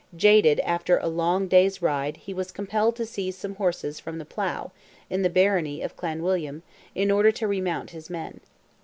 Jaded after a long day's ride he was compelled to seize some horses from the plough, in the barony of Clanwilliam, in order to remount his men.